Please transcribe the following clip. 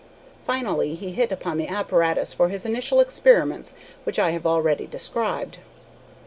Finally he hit upon the apparatus for his initial experiments which I have already described.